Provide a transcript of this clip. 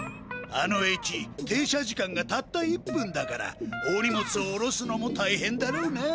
あの駅停車時間がたった１分だから大荷物をおろすのもたいへんだろうな。